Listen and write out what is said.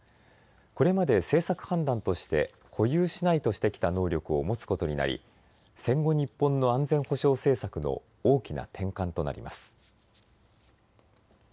これまで政策判断として保有しないとしてきた能力を持つことになり戦後日本の安全保障政策の大きな転換となります。